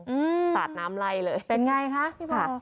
อืมสาดน้ำไล่เลยเป็นไงคะพี่ผ่า